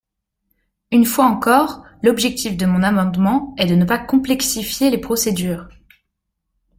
Une fois encore, l’objectif de mon amendement est de ne pas complexifier les procédures.